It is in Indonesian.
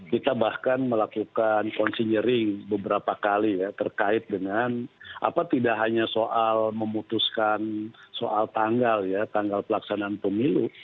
kita bahkan melakukan konsinyering beberapa kali ya terkait dengan apa tidak hanya soal memutuskan soal tanggal ya tanggal pelaksanaan pemilu